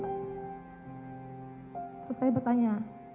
terus saya bertanya